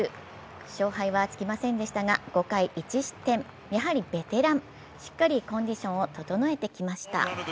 勝敗はつきませんでしたが、５回１失点、やはりベテラン、しっかりコンディションを整えてきました。